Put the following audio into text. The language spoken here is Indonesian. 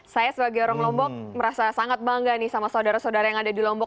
saya sebagai orang lombok merasa sangat bangga nih sama saudara saudara yang ada di lombok